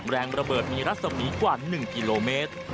แรงประเบิดมีรัฐสมีกว่าหนึ่งกิโลเมตร